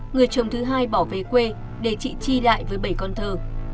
người chồng thứ hai bỏ về quê để chị chi lại với bảy con thơ